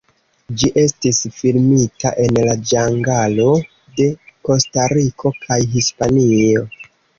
Ĝi estis filmita en la ĝangalo de Kostariko kaj Hispanio.